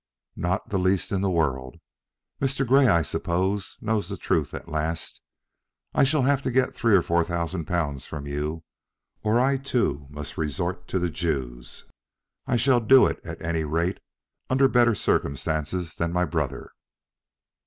"Not the least in the world. Mr. Grey, I suppose, knows the truth at last. I shall have to get three or four thousand pounds from you, or I too must resort to the Jews. I shall do it, at any rate, under better circumstances than my brother."